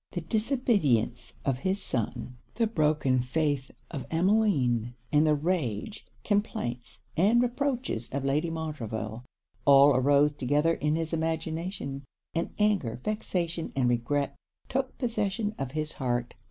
The disobedience of his son; the broken faith of Emmeline; and the rage, complaints, and reproaches of Lady Montreville, all arose together in his imagination; and anger, vexation, and regret, took possession of his heart.